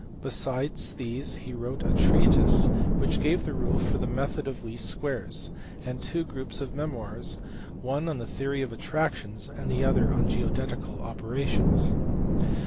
Besides these he wrote a treatise which gave the rule for the method of least squares, and two groups of memoirs, one on the theory of attractions, and the other on geodetical operations.